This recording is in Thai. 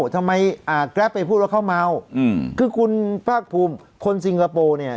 ทำไมอ่าแกรปไปพูดว่าเขาเมาอืมคือคุณภาคภูมิคนสิงคโปร์เนี่ย